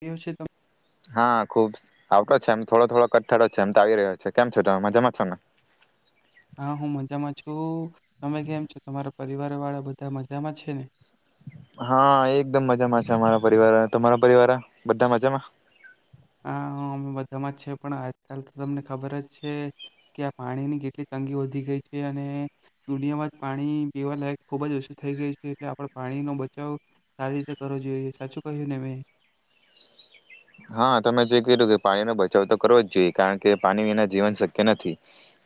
એ છે ત હા ખુબ આવટો છે એમ થોડો થોડો કઠઠરો છે એમ તો આવી રહ્યો છે કેમ છો તમે મજામાં છો હા હું મજામાં છું તમે કેમ છો તમારા પરિવાર વાળા બધા મજામાં છે ને હા એકદમ મજામાં છે અમારા પરિવાર તમારા પરિવાર બધા મજામાં હા અમે બધામાં છે પણ આજકાલ તો તમને ખબર જ છે, કે આ પાણીની કેટલી તંગી વધી ગઈ છે, અને દુનિયામાં જ પાણી પીવા લયક ખુબ જ ઓછું થઈ ગયું છે એટલે આપણે પાણીનોો બચાવ, સારી રીતે કરવો જોઈએ સાચું કહ્યું ને મેં. હા તમે જે કું કે પાણીનો બચાવ તો કરવો જ જોઈએ કારણ કે પાણી એના જીવન શક્ય નથી,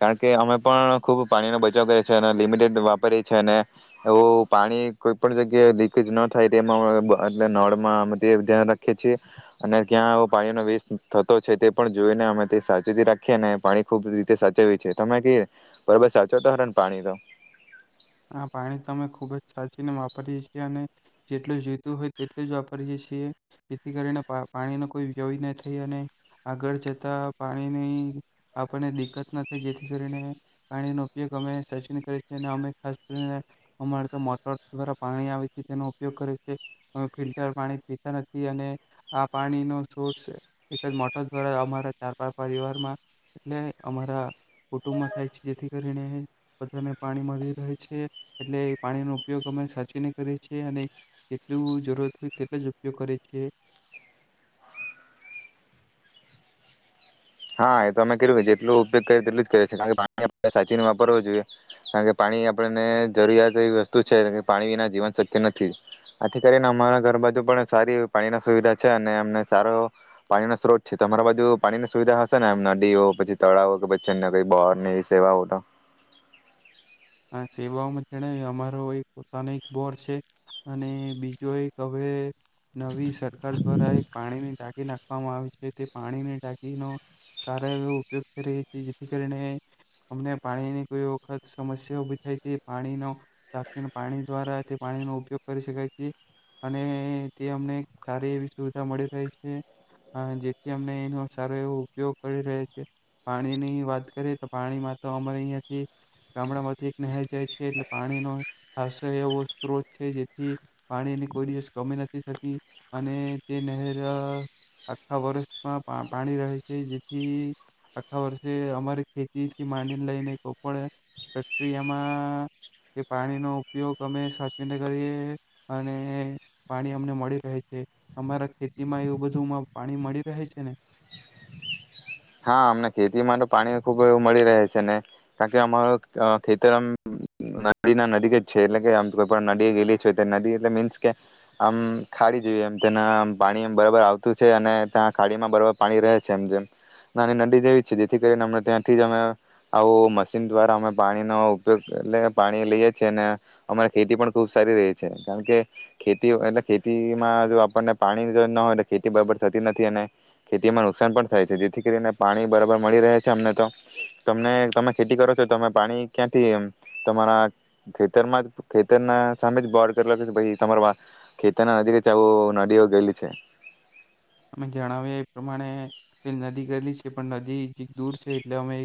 કારણ કે અમે પણ ખુબ પાણીનોો બચાવ કરીએ છી અને લિમિટેડ વાપરીએ છી અને, એવું પાણી કોઈ પણ જગ્યાએ લીકેજ ન થાય તેમાં નળમાં અમે ધ્યાન રાખીએ છીએ. અને ક્યાં આવો પાણીનો વેસ્ટ થતો છે તે પણ જોઈને અમે સાચેતી રાખીએ ને પાણી ખુબ રીતે સાચવ્યું છે તમે ક, બરોબર સાચો તો હ ને પાણી તો? હ પાણી અમે ખુબ જ સાચીને વાપરીએ છીએ અને જેટલું જોઈતું હોય તેટલ જ વાપરીએ છીએ, જેથી કરીને પા પાણીનો કોઈ વ્યય ન થઈ અને, આગળ જતાં પાણીની આપણને દિક્કત નથી થઈ જેથી કરીને, પાણીનો ઉપયોગ અમે સચવીન કરીએ છીએ અને અમે ખાસ કરીને, અમારે તો મોટર દ્વારા પાણી આવે છે તેનો ઉપયોગ કરે છે, અમે ફિલ્ટર પાણી પીતા નથી અને આ પાણીનો સોર્સ એક જ મોટર દ્વારા અમારા ચાર પાાર પરિવારમાં, એટલે અમારા કુટુંબમાં થાય છે જેથી કરીને બધાને પાણી મળી રહે છે. એટલે પાણીનો ઉપયોગ અરે સાચીને કરે છે, અને જેટલું જરૂરત હોય તેટલો જ ઉપયોગ કરે છે. હા એ તો અમે જેટલું ઉપયોગ કરીએ તેટલું જ કરએ છે કારણ કે પાણી આપણે સાચીને વાપરવું જોઈએ, કારણ કે પાણી આપણને જરૂરિયાત એવી વસ્તુ છે પાણી વિના જીવન શક્ય નથી, આથી કરીને અમારા ઘર બાજુ પણ સારી પાણી ના સુવિધા છે અને અમને સારો, પાણીનો સ્ત્રોત છે તો અરા બાજુ પાણીની સુવિધા ને એમ નદી હો પછી તળાવ હો કે પછી એમને કઈ બહાર ની એ સેવાઓ તો? આ સેવાઓમાં જણાવ્યું અમારો એક પોતાનો એક બોર છે, અને બીજું એક હવે નવી સરકાર દ્વારા એક પાણીની ટાંકી નાખવામાં આવે છે તે પાણીની ટાંકીનો, સારો એવો ઉપયોગ કરી રહી છે જેથી કરીને, અમને પાણીની કોઈ વખત સમસ્યા પાણીનોકીને પાણી દ્વારા તે પાણીનો ઉપયોગ કરી શકાય છે, અને તે અમને સારી એવી સુવિધા મળી રહે છે, જેથી અમને એનો સારો એવો ઉપયોગ કરી રહે છે, પાણીની વાત કરીએ તો પાણીમાં તો અમારે અહંથી ગામડામાં નહેર જાય છે એટલે પાણીનો ખાસ એવો સ્ત્રોત છે જેથી, પાણીની કોઈ દિવસ કમી નથી થતી, અને તે નહેર આખા વર્ષમાં પાણી રહે છે, જેથી આખા વર્ષે અમારે ખેતીથી માંડીને લઈને કોઈ પણ પ્રક્રિયામાં, કે પાણીનો ઉપયોગ અમે સાચવીને કરીએ, અને પાણી અમને મળી રહે છે, અમારા ખેતીમાં એવું બધું પાણી મળી રહે છે ને? હા અમને ખેતીમાં તો પાણી ખુબ મળી રહે છે ને, કારણ કે અમારું ખેતર આમ નદીના નદી જ છે એટલે કે આમ કોઈ પણ નદી ગેલી છે, નદી એટલે મીન્સ કે આમ ખાડી જોઈએ એમ તેના પાણી એમ બરાબર આવતું છે, અને ત્યાં ખાડીમાં બરાબર પાણી રહે છે એમ જેમ. નાની નદી જેવી જ છે જેથી કરીને અ ત્યાંથી જ અમે, આવું મશીન દ્વારા અમે પાણીનો ઉપયોગ પાણી લઈએ છીએ અને, અમારે ખેતી પણ ખૂબ સારી રહી છે, કારણ કે ખેતી એટલે ખેતીમાં જો આપણને પાણી જો ના હોય તો ખેતી બરાબર થતી નથી, અને ખેતીમાં નુકસાન પણ થાય છે, જેથી ને પાણી બરાબર મળી રહે છે અમને તો, તમને તમે ખેતી કરો છો તમે પાણી ક્યાંથી તમારા ખેતરમાં જ ખેતરના સામે જ બોળ કરીખ છે, પ તમારા ખેતર નદી આવું નદીઓ ગયેલી છે. અમે જણાવીએ એ પ્રમાણે, નદી કરેલી છે પણ નદી દૂર છે, એટલે અમે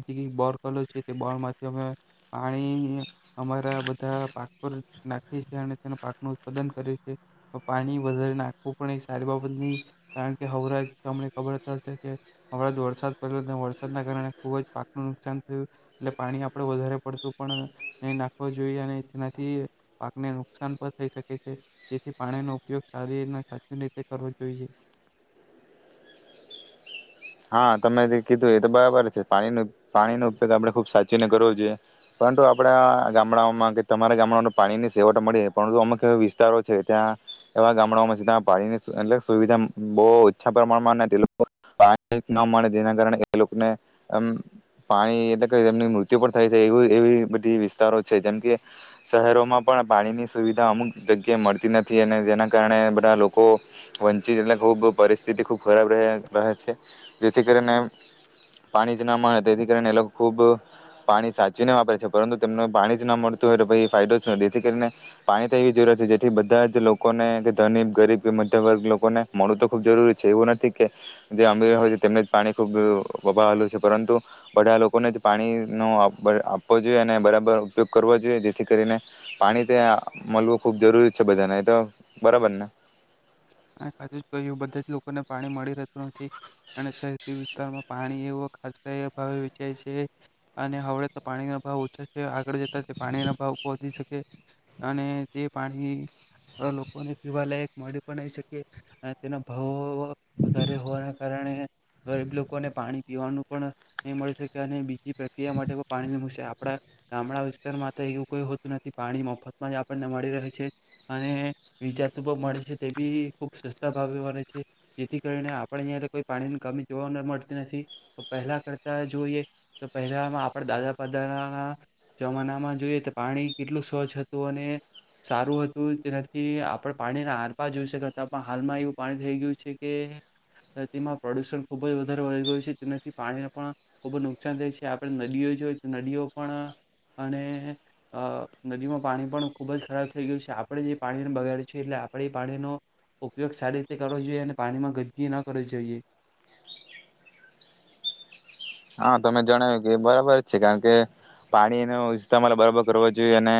નજીક બોર કર છે તે બોર માંથી અમે પાણી, અમારા બધા પાક પર નાખીએ છે અને તે પાકનું ઉત્પાદન કરે છે, પાણી વધારે નાખવું પણ સારી બાબત નહી, કારણ કે હ જ તમને ખબર થશે કે, હણા જ વરસાદ પડેલો વરસાદના કારણે ખૂબ જ પાકનું નુકસાન થયું, એટલે પાણી આપડ વધારે પડતું પણ નહીં નાખવું જોઈએ અને તેનાથી પાકને નુકસાન પણ થઈ શકે છે, જેથી પાણીનો ઉપયોગ શારી સાચી રીતે- રવો જોઈએ. હા તમે જે કીધું એ તો બરાબર છે પાણીનું પાણીનો ઉપયોગ આપણે ખુબ સાચીને કરવો જોઈએ, પરંતુ આપડા ગામડાઓમાં કે તમારા ગામડાઓમાં પાણીની સેવટ મળી પરંતુ અમુક એવા વિસ્તારો છે ત્યાં, એવા ગામડાઓમાં સીધા પાણીની એટલે સુવિધા બહુ ઓછા પ્રમાણમાં નથી ન મળે જેના કારણે એ લોકોનેમ, પાણી એટલે કે એની મૃત્યુ પણ થાય છે એવી એવી બધી વિસ્તારો છે, જેમ કે શહેરોમાં પણ પાણીની સુવિધા અમુક જગ્યાએ મળતી નથી અને જેના કારણે બધા લોકો, વંચિત એટલે ખૂબ પરિસ્થિતિ ખૂબ ખરાબ રહે રહે છે. જેથી કરીને પાણી જ ના મળે તેથી કરીને એ લોકો ખૂબ, પાણી સાચવીને વાપરે છે પરંતુ તેમને પાણી જ ના મળતું હોય તો પ એ ફાયદો જ જેથી કરીને, પાણી તો એવી જરૂરત છે જેથી બધા જ લોકોને કે ગનીબ ગરીબ કે મધ્યમ વર્ગ લોકોને મળવું તો ખૂબ જરૂરી છે એવું નથી, કે જે અમીર હોય છે તેમને જ પાણી ખૂબ વભાવલું છે, પરંતુ બધા લોકોને જ પાણીનો આપવો જોઈએ અને બરાબર ઉપયોગ કરવો જોઈએ જેથી કરીને, પાણી તે મળવું ખૂબ જરૂરી છે બધાને એ તો બરાબર ને. જ કહ્યું બધા જ લોકોને પાણી મળી રહેતું નથી, અને શહે વિસ્તારમાં પાણી એવોાવે વેચાય છે, અને હળ તો પાણીનો ભાવ ઓછો છે. આગળ જતા તે પાણીના ભાવ પહોંચીકે અને તે પાણી લોકોને પીવા લયક મળ પણ શકી, તેનો ભાવ વધારે હોવાના કારણે, ગરીબ લોકોને પાણી પીવાનું પણ, નહી મળી શકે અને બીજી પ્રક્રિયા માટે પાણી ન મળશે, આપણા ગામડા વિસ્તારમાં તો એવું કોઈ હોતું નથી પાણી મફતમાં જ આપણને મળી રહે છે, અને વિજાતુ પણ મળે છે. તે બી ખૂબ સસ્તા ભાવે વે છે, જેથી કરીને આપણે અહીંયા કોઈ પાણીની કમી જોવા મળતી નથી, તો પહેલાં કરતાં જોઈએ, તો પહેલાંમાં આપણા દાદાપાદાના જમાનામાં, જોઈએ તો પાણી કેટલું સ્વચ્છ હતું અને, સારું હતું તેનાથી આપણે પાણીના આ આપા જોઈ શકતા પણ હાલમાં એવું પાણી થઈ ગયું છે કે તેમાં પ્રદુષણ ખૂબ જ વધારે વધહી ગયું છે તેનાથી પાણીને પણ, ખૂબ જ નુકસાન થાય છે આપણે નદીઓ જોઈ તો નદીઓ પણ, અને નદીમાં પાણી પણ ખૂબ જ ખરાબ થઈ ગયું છે આપણે જે પાણીને બગાડ છએ એટલે આપ પાણીનો, ઉપયોગ સારી રીતે કરવો જોઈએ અને પાણીમાં ગદકી ન કરવી જોઈએ. હા તમે જણાવ્યું કે બરાબર છે કારણ કે, પાણીનો ઈસ્ટમાલ બરાબર કરવો જોઈએ અને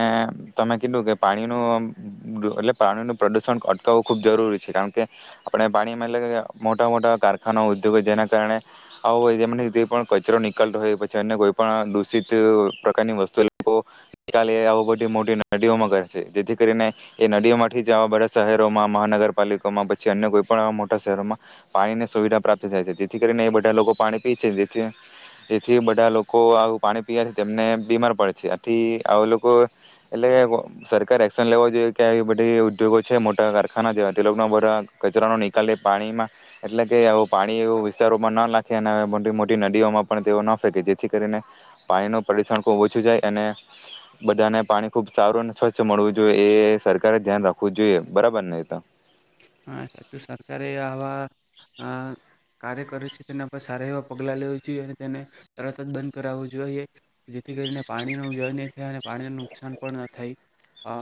તમે કીધું કે પાણીનું એટલે પાણીનું પ્રદુષણ અટકાવવું ખુબ જરૂરી છે કારણ કે, આપણે પાણીમાં એટલે મોટા મોટા કારખાના ઉદ્યોગ હોય જેના કારણે આવો હોય કચરો નીળતો હોય પછી અન્ય કોઈ પણ દૂષિત પ્રકારની વસ્તુ લોકો, નલે આવ બધી મોટી નદીઓમાં કર છે જેથી કરીને એ નદીઓમાંથી જવા બધા શહેરોમાં, મહાનગરપાલિકામાં પછી અન્ય કોઈ પણવા મોટા શહેરોમાં પાણી ની સુવિધા પ્રાપ્ત થાય છે જેથી કરીને એ બધા લોકો પાણી પી છે. જેથી બધા લોકો આવું પાણી પીવા છે તેમને બીમાર પડે છે આથી આવ લોકો, એટલે સરકારારે એક્શન લેવ જોઈએ કે બધી ઉદ્યોગો છે મોટા કારખાના જે તેધા કચરા ન નિકાલ પાણીમાં, એટલે કે આવ પાણી એવ વિસ્તારોમાં ના લખે અને નદીઓમાં પણ તે ના ફેકે જેથી કરીને, પાણી ન પરક્ષણ ખબ ઓછું જાય, અને બધાને પાણી ખુબ સારું અને સ્વચ્છ મળવું જોઈએ એ સરકારે ધ્યાન રાખવું જોઈએ બરાબર ને. હા સા સરકારે આવા, કાર્ય કરે છે તેના પર સારા એવા પગલા લેવ જોઈએ અને તેને, તરત જ બંધ કરાવવું જોઈએ, જેથી કરીને પાણીનો વ્યય નહી થાય, અને પાણીને નુકસાન પણ ના થાય અ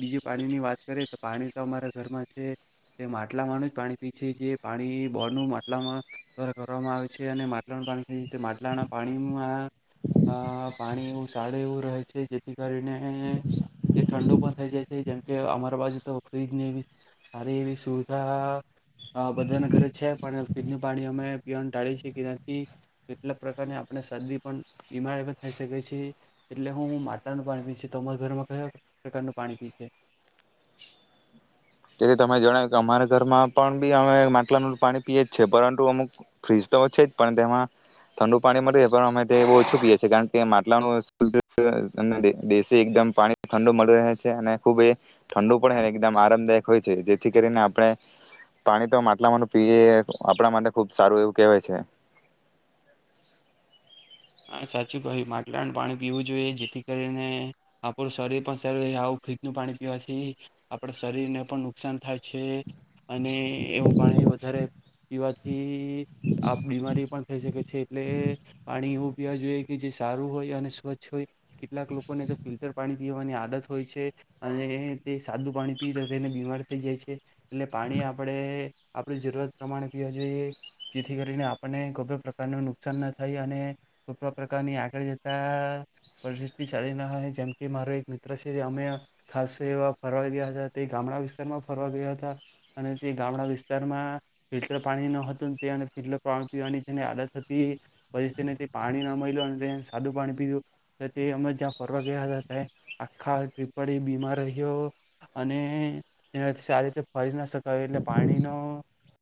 બીજું પાણીની વાત કરીએ તો પાણી તો અમારા ઘરમાં છે. તે માટલામાંનું જ પાણી પી છે જે પાણી બોર નું માટલામાં, દ્વારા કરવામાં આવે છે અને માટલાનું પાણી પી છે તે માટલાના પાણીમાં, પાણી એું સારું એવું રહે છે જેથી કરીને તે ઠંડુ પણ થઈ જાય છે જેમ કે અમારા બાજુ તો ફ્રીજને સારી એવી સુવિધા બધાના, ઘરે છે પણ ફ્રીજનું પાણી અમે પીવાનું ટાળી છીએ કે નથી, કેટલાક પ્રકારની આપણે શરદી પણ બીમાર પણ થઈ શકે છેએ, એટલે હું માટલાનું પાણી પી છ તો અમારા ઘરમાં કયા પ્રકારનું પાણી પીશે? તમે તેથી જણાવ્યું કે અમારા ઘરમાં પણ બી અમે માટલાનું પાણી પીએ જ છે પરંતુ અમુક ફ્રીજ તો છે જ પણ તેમાં ઠંડુ પાણી મળી રહે પણ અમે તે ઓછું પીએ છીએ કારણ કે માટલાનું દેશી એકદમ પાણી ઠંડુ મળી રહે છે અને ખુબ એ ઠંડુ પણ હને એકદમ આરામદાયક- હોય છે જેથી કરીને આપણે, પાણી તો માટલામાંનું પીએ આપણા માટે ખુબ સારું એવું કહેવાય છે. હા સાચું કહ્યું માટલાનું પાણી પીવું જોઈએ, જેથી કરીને આપણું શરીર પણ સારું રહે, આવું ફ્રીજનું પાણી પીવાથી આપણા શરીરને પણ નુકસાન થાય છે. અને એવું પાણી વધારે પીવાથી થી આ બીમારી પણ થઈ શકે છે એટલે પાણી [unintelligible] પીવા જોઈએ કે જે સારું હોય અને સ્વચ્છ હોય. કેટલાક લોકોને તો ફિલ્ટર પાણી પીવાની આદત હોય છે, અને તે સાદું પાણી પી જાય તો તેને બીમાર થઈ જાય છે, એટલે પાણી આપણે આપણી જરૂરત પ્રમાણે પીવા જોઈએ, જેથી કરીને આપણને કોઈપણ પ્રકારનું નુકસાન ન થાય અને કોઈપણ પ્રકારની આગળ જતા પરિસ્થિતિ સારી [unintelligible] જેમ કે મારો એક મિત્ર છે, અમે ખાસ એવા ફરવા ગયા હતા તે ગામડા વિસ્તારમાં ફરવા ગયા તા અને તે ગામડા વિસ્તારમાં ફિલ્ટર પાણી ન હતું, [unintelligible] ફિલ્ટર પાણી પીવાની તેને આદત હતી. પરિથિતિને પાણી ન મયલું અને તેને સાદું પાણી પીધું, એટલે તે અમે જ્યાં ફરવા ગયા હતા ત્યા આખા ટ્રીપ પર ઈ બીમાર રહ્યો અને તેનાથી સારી રીતે ફરી ના શકાયું, એટલે પાણીનો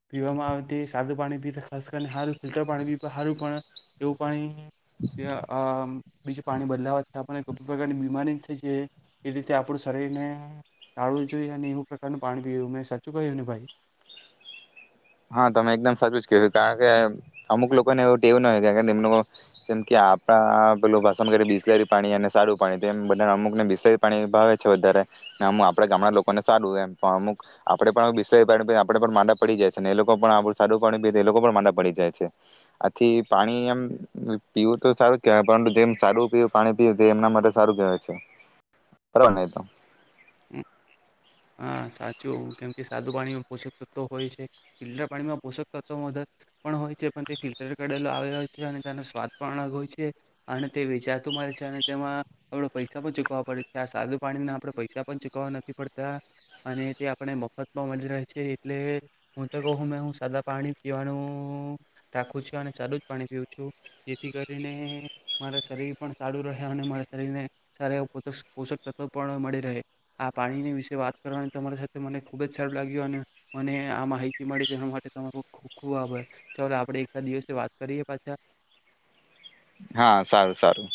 પીવામાં આવે તે સાદું પાણી પીતા ખાસ કરીને હારું ફિલ્ટર પાણી પી સારું પણ એવું જો પાણી અહ બીજું પાણી બદલાવાથી આપણને [unintelligible] ની બીમારી થઈ જાય, એ રીતે આપણું શરીરને ટાળવું જોઈએ, અને એવું પ્રકારનું પાણી પીયું, મેં સાચું કહ્યું ને ભાઈ? હા તમે એકદમ સાચું જ કીધું, કારણ કે અમુક લોકોને એવું ટેવ ન હોય કારણ કે તેમનું જેમ કે આપણા પેલું [unintelligible] કરી બિસ્લેરી પાણી અને સારું પાણી તો એમ બધા અમુકને બિસ્લેરી પાણી ભાવે છે વધારે, ને આમા આપડા ગામડા લોકોને સારું એમ, પણ અમુક આપડે પણ બિસ્લેરી પાણી [unintelligible] આપણેે પણ માંદા પડી જાય. અને એ લોકો પણ આવું સાદું પાણી પીએ તો લોકો પણ પડી જાય છે. આથી પાણી એમ પીવું તો સારું કેવાય જ, પરંતુ જેમ સાદું પીવું પાણી પીવું તે એમના માટે સારું કેહેવાય છે, બરાબર ને એ તો. હા સાચું કેમ કે સાદુ પાણીમાં પોષક તત્વો હોય છે. ફિલ્ટર પાણીમાં પોષક તત્વો મદદ પણ હોય છે, પણ તે ફિલ્ટર કરેલા આવેલા હોય છે, અને તેનો સ્વાદ પણ અલગ હોય છે અને તે વેચાતું મળે છે. અને તેમાં આપણે પૈસા પણ ચૂકવવા પડે છે. આ સાદુ પાણીને આપણે પૈસા પણ ચૂકવવા નથી પડતા. અને તે આપણને મફતમાં મલી રહે છે, એટલે હું તો કહું મે સાદા પાણી જ પીવાનું રાખું છું, અને સાદું જ પાણી પીવું છું, જેથી કરીને મારા શરીર પણ સારું રહે અને મારા શરીરને સારા એવા પોતસક પોષક તત્વો પણ મળી રહે. આ પાણીની વિશે વાત કરવાની તમારી સાથે મને ખુબ જ સારું લાગ્યું, અને મને આ માહિતી મળી છે તેના માટે તમારો ખૂબ ખૂબ આભાર. ચાલો આપડે એક [unintelligible] દિવસે વાત કરીએ પાછા. હા, સારું-સારું.